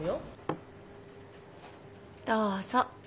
どうぞ。